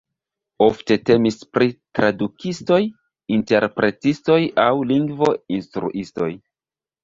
Ofte temis pri tradukistoj, interpretistoj aŭ lingvo-instruistoj.